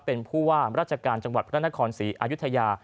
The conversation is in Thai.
เป็นผู้ว่าราชการจังหวัดพระนครศรีอายุทยา